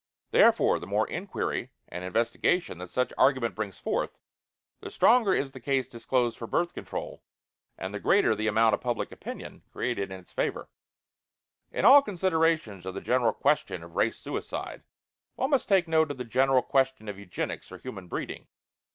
Therefore, the more inquiry and investigation that such argument brings forth, the stronger is the case disclosed for Birth Control, and the greater the amount of public opinion created in its favor. In all considerations of the general question of Race Suicide, one must take note of the general question of Eugenics or Human Breeding.